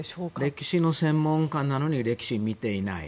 歴史の専門家なのに歴史を見ていない。